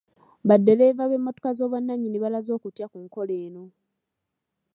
Baddereeva b’emmotoka z'obwannannyini balaze okutya ku nkola eno.